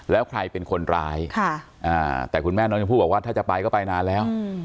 แล้วใครเป็นคนร้ายแต่คุณแม่น้องชมพู่บอกว่าถ้าจะไปก็ไปนานแล้ว